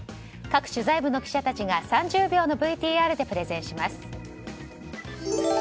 各取材部の記者たちが３０秒のＶＴＲでプレゼンします。